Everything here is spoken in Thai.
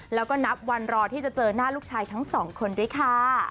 แล้วก็นับวันรอที่จะเจอหน้าลูกชายทั้งสองคนด้วยค่ะ